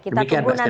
demikian mbak sebu